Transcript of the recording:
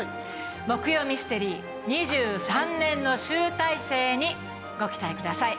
木曜ミステリー２３年の集大成にご期待ください。